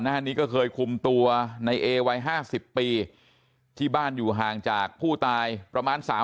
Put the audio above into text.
หน้านี้ก็เคยคุมตัวในเอวัย๕๐ปีที่บ้านอยู่ห่างจากผู้ตายประมาณสาม